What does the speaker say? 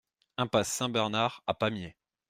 Impasse Saint-Bernard à Pamiers